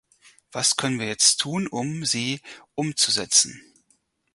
Was können wir jetzt tun, um sie umzusetzen?